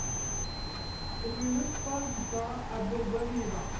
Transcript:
Rue Lefroit Dupain à Bourbonne-les-Bains